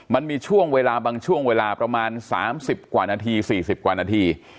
มันมีช่วงเวลาบางช่วงเวลาประมาณ๓๐กว่านาที๔๐กว่านาที